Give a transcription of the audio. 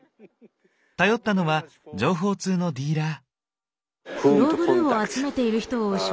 頼ったのは情報通のディーラー。